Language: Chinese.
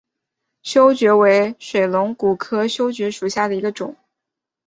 修蕨为水龙骨科修蕨属下的一个种。